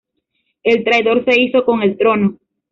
El traidor se hizo con el trono.